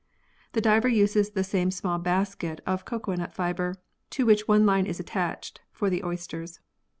The diver uses the same small basket of cocoanut fibre, to which one line is attached, for the oysters.